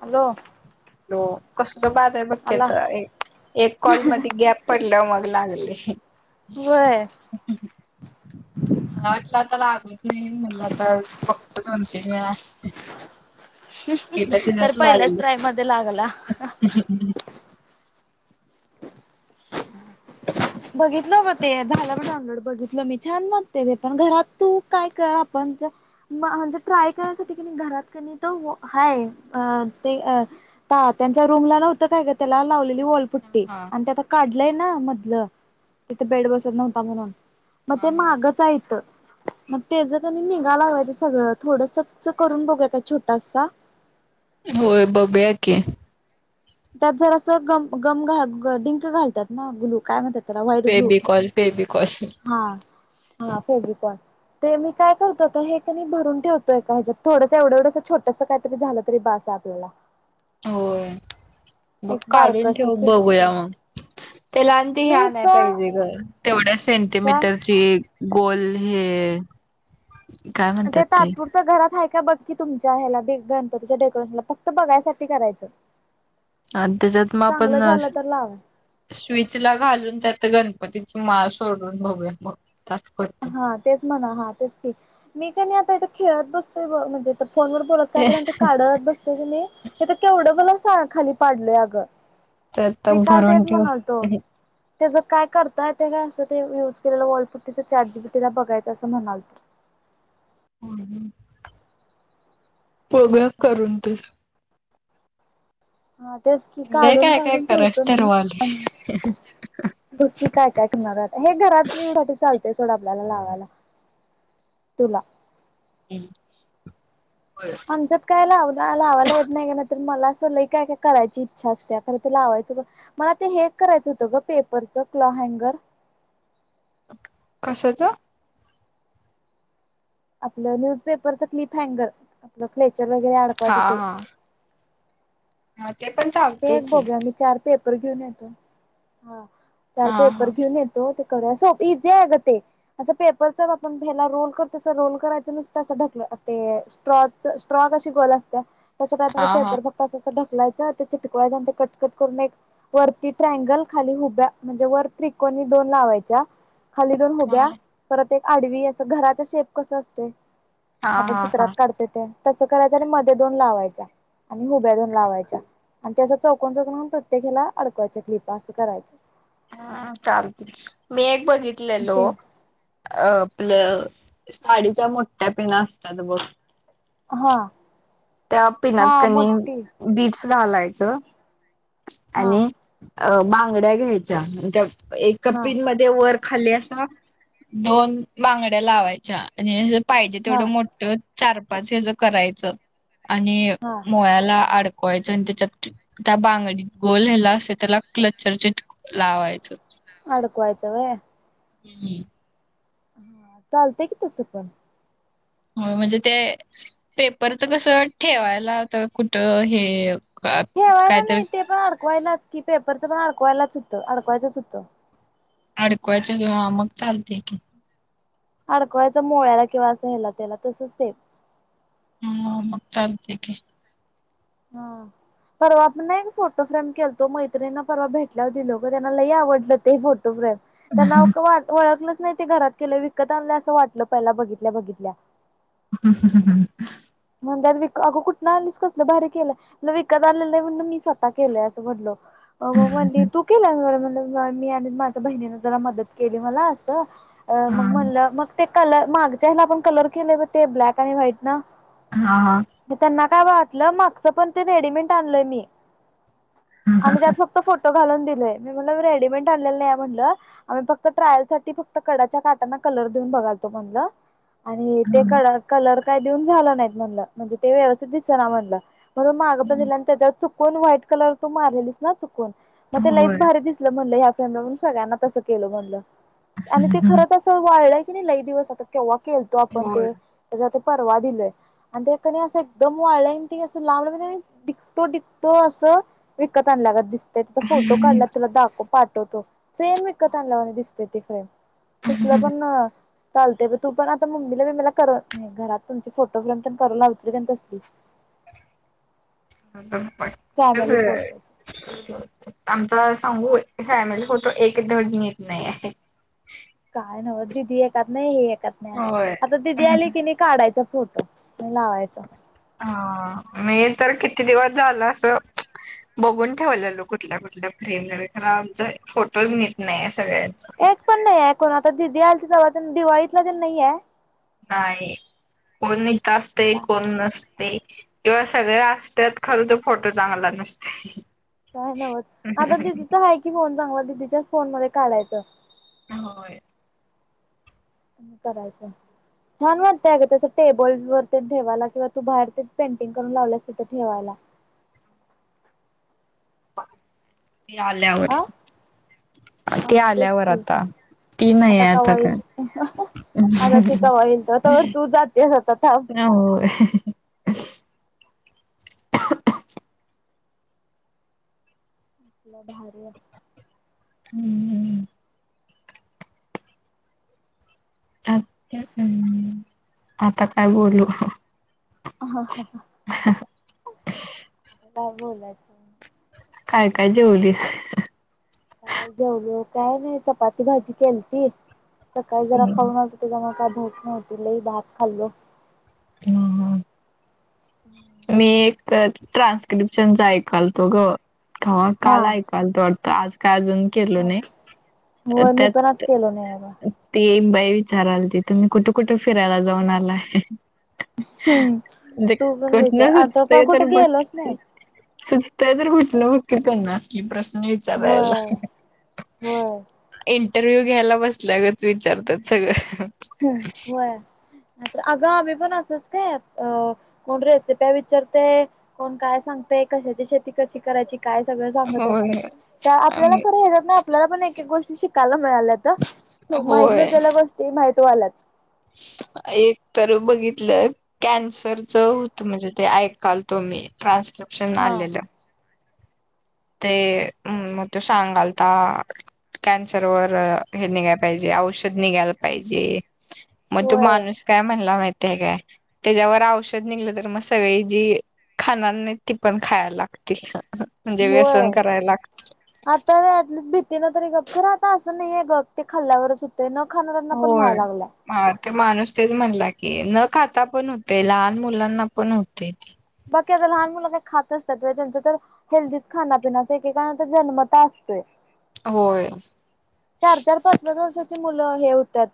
Hello! हो कसल बाद आहे बघ की आला आता एक, एक कॉल मध्ये गॅप पडल्याव मग लागलीय. होय. [inaudible] मला वाटलं आता लागलं की नाही म्हणलं आता बघतो दोन, तीन वेळा. पहिल्याच तर हेच्यात पहिल्याच लागलं. ट्राय मध्ये लागला. [unintelligible] बघितलं बघ ते झालं डाऊनलोड बघितलं मी छान वाटतंय ते पण, घरात तू काय कर आपण जर. [inaudible] तात्यांच्या रूमला नव्हतं काय ग त्याला लावलेली वॉलपुट्टी, हा आणि ते आता काढलंय ना मधलं. तिथं बेड बसत नव्हता म्हणून, मग हा ते हा मागच हायत. मग त्याज कनी निगा लागायल सगळं, थोडसच करून बघूया काय छोटासा. होय बघुया की. त्यात जरासं गम, गम घाल डिंक घाल त्यात महा गुलू काय म्हणतात. त्याला व्हाईट ग्लु, फेबिकॉल फेबिकॉल हा हा फेविकॉल. ते मी काय करतो तर हे कीनी भरून ठेवतोय एका ह्याच्यात, थोडसं एवढं एवढंसं छोटंस काय. झालं तरी बासय आपल्याला. होय. मग एक काढून बारकस ठेव चिंटकू पेन बघूया मग, हा त्याला आणि ती ही मी आणाय का पाहिजे ग, तेवढ्या का सेंटीमीटरची गोल हे, काय ते म्हणतात तातपूरती. त घरात आहे का बघ की तुमच्या, ह्याला गणपतीच्या डेकोरेशनला फक्त बघायसाठी करायचं. आणि त्याच्यात मग आपण चांगलं ना. झालं तर लावा स्विच ला घालून त्यात गणपतीची माळ सोडून बघु यात मग तात्पुरतं. हा तेच म्हणा हा तेच की, मी का नाही आता इथं खेळत बसतोय म्हणजे फोनवर, बोलत काय तेच ते काढत बसलेले, तिथं केवढं भल खाली पाडलंय आगं. आता मी काल भरून तेच ठेव म्हणालो होतो. त्याचं काय करतात त्याज असं ते, यूज केलेलं वॉलपुट्टीच चाटगीपिटीला बघायचं असं म्हणालो होतो. हम्म हम्म. बघुया करून तर. हा तेच की लय काढून, काय काय काढून करायच ठेवतो मी. ठरवाले बघ की काय काय करणारय आता, हे घरात एवढं चालतंय सोड आपल्याला लावायला. तुला. हम्म, होय. याच्यात काय लाव लावायला येत नाही ग नाही तर मला असं लय काय, काय करायची इच्छा असतेया कारण ते लावायचं. मला ते हे करायचं होतं ग पेपरचं क्लॉ हँगर. कशाच. आपलं न्यूजपेपरचं क्लिप हँगर, आपलं क्लेचर वगैरे हा अडकवायच ते. हा हा ते पण चालते. ते एक की बघूया मी चार पेपर घेऊन येतो हा चार हा हा पेपर घेऊन येतो. [unintelligible] असं पेपरचा आपण हेला रोल करतोय तस रोल करायच नसतं असं ढकलं ते. स्ट्रॉ कशी गोल असत्या तस हा हा पेपर फक्त अस ढकलायच. ते चिटकवाय कटकट करून एक. वरती ट्रागल खाली हुब्या म्हणजे वर त्रिकोणी दोन लावायच्या. खाली दोन उभ्या हा परत एक आडवी असं घराचा शेप कसा असतोय. आपण हा चित्रात हा काढतोय ते तसं करायचं आणि मध्ये दोन लावायच्या, आणि हुब्या दोन लावायच्या. आणि ते असं चौकन जोडुन प्रत्येकीला अडकवायच्या क्लिपा असं करायचं. हा चालतंय, मी एक बघितलेलो. ते अ आपलं, साडीच्या मोठ्या पिना असतात बघ, हां. त्या पिण्यात कनी बीट्स घालायचं, हा आणि अ बांगड्या घ्यायच्या, त्या एक हा पिनमध्ये ते वर खाली असं, दोन बांगड्या लावायच्या, आणि पाहिजे हा तेवढं मोठ चार पाच हेज करायचं, आणि हा मोळ्याला अडकवा चिटकवायच आणि त्याच्यात, त्या बांगडीत गोल ह्याला असतय त्याला क्लचर चट लावायचं. अडकवायचं व्हय. हम्म हम्म. हा चालतय कि तसं पण. होय म्हणजे ते, पेपरच कसं ठेवायला आता कुठं हे ठेवायला कायतरी नाही, ते पण अडकवायलाच की, पेपरच पण अडकवायलाच हुतं, अडकवायचंच हूतं. अडकवायचं किंवा मग चालतय की. अडकवायच मोळ्याला किंवा असं ह्याला त्याला तसं सेफ ह म चालतंय की. हा [inaudible] परवा पण नाही फोटो फ्रेम केलतो, मैत्रिणां परवा भेटल्यावर दिलो गं त्यांना लय आवडलं ते फोटोफ्रेम. त्यांना नावक वळखलंच नाही ते घरात केलंय, विकत आणलंय असं वाटलं पहिला बघितल्या बघितल्या. ह ह हं. म्हणत्यात विकत अगं कुठून आणलीस कसलं भारी केलं, मला विकत आणलेलं नाही म्हणलं मी स्वतः स्वतः केलय अस म्हटलो, अं म म्हणली हम्म तू केल्यास म्ह मी आणि माझ्या बहिणीने जरा मदत केली मला असं अ हा मग म्हणलं, मग ते कलर मागच्या ह्याला आपण कलर केलय बघ ते, ब्लॅक आणि व्हाईट नं हा हा. त्यांना काय वाटलं, मागचं पण ते रेडीमेट आणलोय मी, आणि त्यात फक्त तो फोटो घालून दिलोय मी, मी मनलं रेडीमेड आणलेलं नाही आहे म्हनलं आम्ही फक्त ट्रायल साठी फक्त कडाच्या काटांना कलर देऊन बघालतो म्हणलं. आणि ते क कलर काय देऊन झालं नाहीत म्हणलं, म्हणजे ते व्यवस्थित दिसना म्हणलं. म्हणून मागं पण दिलं, आणि त्याच्यावर चुकून व्हाईट कलर तू मारलेलीस ना चुकून. मग ते लइच भारी दिसलं म्हणलं ह्या फ्रेंमला, म्हणूण सगळ्यांना तसं केलं म्हणलं, आणि ते खरंच अस वाळलंय की नाही लई दिवस, आता केव्हा केलतो आपण ते, त्याच्यावर ते परवा दिलोय. आणि ते कणी असं एकदम वाळलंय, आणि ते असं लांबनं म्हनजे डिकटो डिकटो असं विकत आणल्यागत दिसत त्याचा फोटो काढलाय तुला दाखव पाठवतो, सेम विकत आणल्यावांनी दिसते ती फ्रेम. तसलं पण चालतय, बघ तू पण आता मम्मीला बिम्मिला कर, घरात तुमची फोटो फ्रेम करुन लावाचील कणी तसली. अ म फॅमिली फोटोची [inaudible] आमचा सांगू,, फॅमिली फोटो एक धड नीट नाहीयेय. काय नवंच दीदि एकात नाही हे एकात नाही, होय. आता दीदी आली कणी काढायचा फोटो आणी लावायचं. हां, मी तर किती दिवस झालं असं बघून ठेवलेलो कुठल्या कुठल्या फ्रेम, खरं आमचं फोटोज नीट नाही सगळ्यांचा. एक पण नाहीयेय, कोण आता दिदी आलती तव्हा, दिवाळीतला तन नाहीयेय. नाही, कोण इथ असतय का कोण नस ते, किंवा सगळे असतात खरं तो फोटो चांगला नसतोय. काय नाय व्हत आता दिदीचा हाय की फोन चांगला दिदीच्याच फोन मध्ये काढायचं. होय. अनं करायचं. छान वाटतंय अगं तसं टेबल वरती ठेवायला किंवा तू बाहेर ते पेंटिंग करून लावलंस तिथं ठेवाला. हे आल्यावर आ ते हा तेच आल्यावर की आता ती नाही आता आहे कवा येईल त्यात. आता ते कवा येईल तवा तवर तू जातेस आता थांब [unintelligible] असला भारी आय. हम्म [unintelligible] आता काय बोलू [unintelligible] ह ह ह आता काय बोलायच काय काय जेवलीस? काय जेवलो काय नाय चपाती भाजी केलती. सकाळी जरा खाऊन आलतो त्याच्यामुळ काय भूक नव्हती. लय भात खाल्लो. हम्म हं मी एक ट्रान्स्क्रिप्शनचा ऐकालतो ग [unintelligible] हा. काल ऐक काल तो [unintelligible] आज काय अजून केलो नाय होय मी पण आज त्यात केलो नाही बघ. ती एक बाई विचारालाती तुम्ही कुठ कुठ फिराला जाऊन आलाय. सेम म्हणजे तू पण विचार कुठनं आता पण कुठ गेलोच नाय. सुचतय तर कुठलं बघ की त्यांना असली प्रश्न होय विचारायला होय. इंटरव्ह्यू घ्यायला बसल्या गत विचारतात सगळं [unintelligible] व्हय. नाय तर अगं आम्ही पण असच काय अ कोण रेसिप्या विचारतय कोण काय सांगतय कशाची शेती कशी करायची काय सगळ सांगत असतात होय काय आपल्याला आम्ही करू देतात ना आपल्याला पण एक एक गोष्टी शिकायला मिळाल्यात खूप माहित होय नसलेल्या गोष्टी माहित होयल्यात. एक तर बघितलं कॅन्सर च होत म्हणजे ते ऐकाल तुम्ही ट्रान्स्क्रिप्शन हा आलेलं ते म त्यो सांगालता कॅन्सर वर हे निघाय पाहिजे औषध निघायला पाहिजे. म तो होय माणूस काय म्हणला माहितीय काय त्याच्यावर औषध निघलं तर म सगळी जी खाणार नाय ती पण खायाला लागतीत. होय. आता ऍटलिस्ट भीती ना तरी गप राहता असं नाहीये बघ ते खाल्ल्यावरच होत ते न खाणाऱ्यांना पण व्हाय होय लागलाय. हा ते माणूस तेच म्हणला की न खाता पण होतय लहान मुलांना पण होतय ते बग की आता लहान मुलं काय खात नाय त त्यांच तर हेल्दीच खानापिण्याचा एकेकाना त जन्मतः असतोय. होय. चार चार पाच पाच वर्षाची मुलं हे होत्यात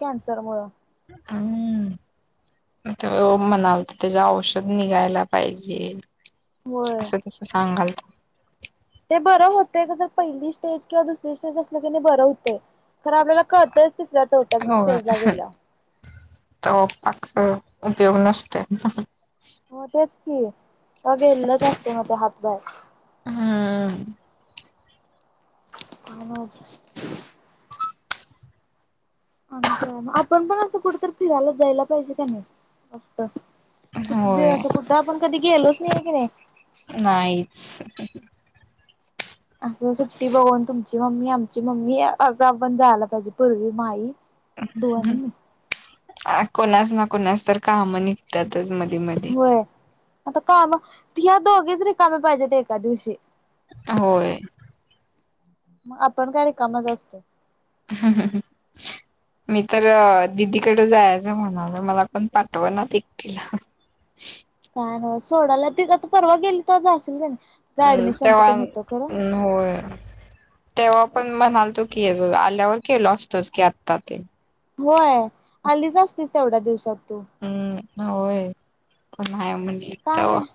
कॅन्सर मुळं अंम्म त्यो म्हणालता त्याज औषध निघायला पाहिजे. होय. असं सांगालता ते बरं होतय का जर पहिली स्टेज किंवा दुसरी स्टेज असल की नय बरं होतंय कारण आपल्याला कळतच तिसर, चौथ्या हो स्टेजला गेल्याव तो, तो उपयोग नसतोय हो तेच की त गेलेलंच असते म ते हातबाहेर हम्म [inaudible] आणि काय आपण पण असं कुठ तर फिरायला जायला पाहिजे का नाही मस्त किती होय दिवस सुद्धा आपण कधी गेलोच नाही की नाही नाहीच असं सुट्टी बघून तुमची मम्मी, आमची मम्मी अस आपण जायला पाहिजे पूर्वी, माई तू आणि मी कोणास ना कोणास तर काम निघतातच मधीम होय आता काम ह्या दोघीच रिकाम्या पाहिजेत एका दिवशी होय मग आपण काय रीकामाच असतो हम ह, ह, ह मी तर दिदीकडें जायचं म्हणालो मला पण पाठव ना ती [unintelligible] काय न सोडाला तिथं आता परवा गेली तवा जाशील का नाही हम्म ऍडमिशनच तेव्हा ते होतं खरं हम्म, होय तेव्हा पण म्हणालतो की आल्यावर केल असतोच की आत्ता ते होय आलीच असतीस तेवढ्या दिवसात तू हम्म होय पण नाय म्हणली का तवा नाही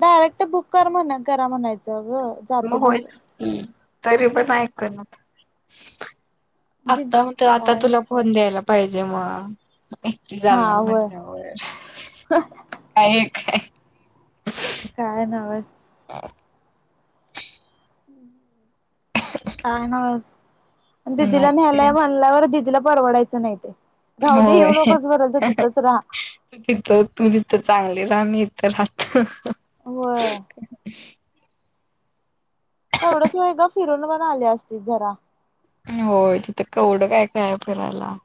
डायरेक्ट बुक कर म्हण करा म्हणायचं ग जातो मग बसून होयच की तरी पण ऐकनात दि आता म आता काय तुला फोन द्यायला पाहिजे मग हा जाणार होय म्हटल्यावर काय एक आहे काय नव्हच ह काय नाह दिदीला नाहीतर न्यायला म्हणल्यावर दिदीला परवडायचं नाही ते काय राहुदे येऊच नकोस मरूदे तिथंच राहा त तिथं तू तिथं चांगली राहा मी इथं राहत होय [inaudible] तेवढच व्हय ग फिरून पण आले असती जरा होय तिथं कवडं काय, काय हाय फिरायला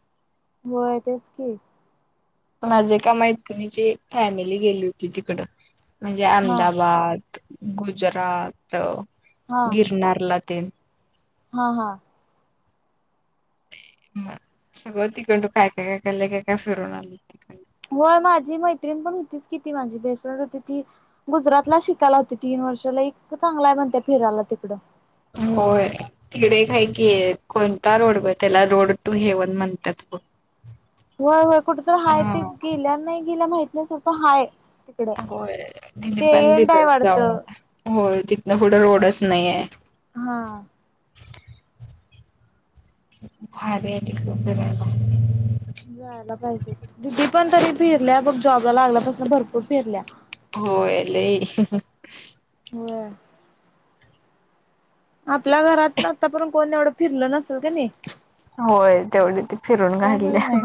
व्हय तेच की माझी एका मैत्रिणीची फॅमिली गेली होती तिकडं म्हणजे हा अहमदाबाद गुजरात, हा गिरनारला ते हा, हा सगळ तिकंडन काय, काय, काय, काय लय काय काय फिरून आलो व्हय माझी मैत्रीण पण होतीच किती माझी बेस्टफ्रेंड होती ती गुजरातला शिकायला होती तीन वर्षाला एक चांगलाय म्हणत्या फिरायला तिकडं होय तिकडे एक हाय कि कोणता रोड ब त्याला रोड टू हेवण म्हणतात बघ होय, होय कुठे तर हाय ते हा गेल्या नाही गेल्या माहती नाहीसारख हाय तिकडं. होय दिदी ते पण एंड आहे तिथं जाऊन वाटतं होय तिथनं पुुढं रोडच नाही आहे हा. भारी आहे तिकडं फिरायला. जायला पाहिजे. दीदी पण तरी फिरल्या बघ जॉबला लागल्यापासून भरपूर फिरल्या. होय लय. होय. आपल्या घरातलं आतापर्यंत कोण एवढं फिरलं नसल? क नी होय तेवढी ती फिरून कोणच काढल्या. नाही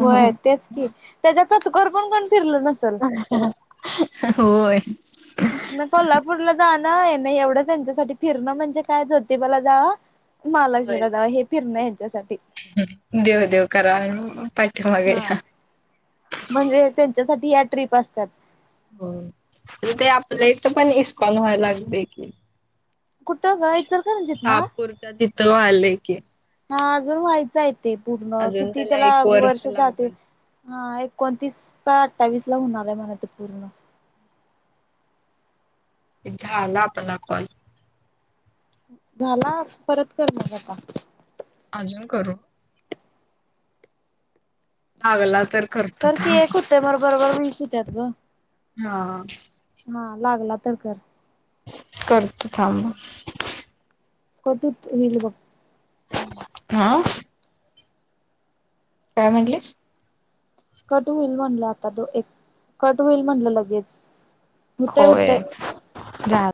होय तेच की. त्याच्यातच घर पण कोण फिरलं नसल. ह हा हा होय. इथनं कोल्हापूरला जान येन एवढंच यांच्यासाठी फिरणं म्हणजे काय ज्योतिबाला जावा. होय महालक्ष्मीला जावं हे फिरणं हेंच्यासाठी. देव देव करा हा [inaudible] म्हणजे त्यांच्यासाठी या ट्रीप असत्यात. होय पण ते आपल्या इथं पण इस्कॉन व्हायला लागलंय की. कुठं ग इचलकरंजीत ना? त्या तिथं व्हाय लागलय की. हा अजून व्हायच आहे तेे पूर्ण अजून किती त्याला एक वर्ष जातील. लागल. हा एकोणतीस का अठ्ठावीसला होणार आहे म्हण ते पूर्ण. झाला आपला कॉल. झाला आज परत कर मग आता. अजून करू? लागला तर करतो थांब. त्यामुळं भरभर वीस हुत्यात ग. हा हा. हा लागला तर कर. करतो थांब. कट बिट होईल बघ. हा. काय म्हटलीस? कट होईल म्हणलं आता तो एक कट होईल म्हटलं लगेच. होतय होतय होय झा